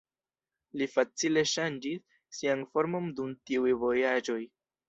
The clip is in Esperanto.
Li facile ŝanĝis sian formon dum tiuj vojaĝoj.